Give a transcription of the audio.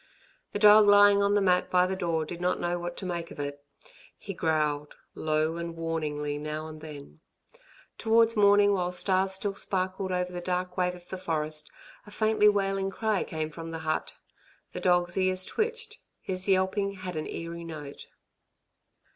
The dog lying on the mat by the door did not know what to make of it. He growled, low and warningly now and then. Towards morning while stars still sparkled over the dark wave of the forest, a faintly wailing cry came from the hut. The dog's ears twitched; his yelping had an eerie note.